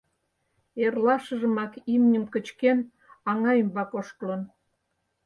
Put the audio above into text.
Эрлашыжымак имньым кычкен, аҥа ӱмбак ошкылын.